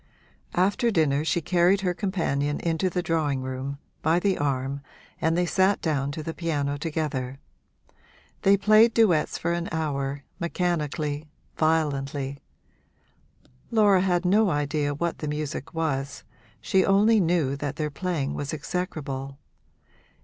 After dinner she carried her companion into the drawing room, by the arm, and they sat down to the piano together. They played duets for an hour, mechanically, violently; Laura had no idea what the music was she only knew that their playing was execrable.